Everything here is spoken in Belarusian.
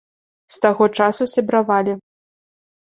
З таго часу сябравалі.